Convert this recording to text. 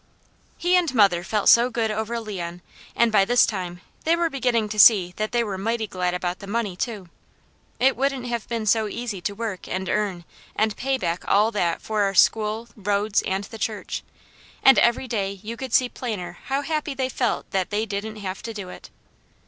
He and mother felt so good over Leon, and by this time they were beginning to see that they were mighty glad about the money too. It wouldn't have been so easy to work, and earn, and pay back all that for our school, roads, and the church; and every day you could see plainer how happy they felt that they didn't have to do it.